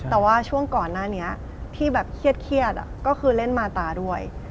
แต่ว่าช่วงก่อนหน้านี้ที่แบบเครียดก็คือเล่นมาตาด้วย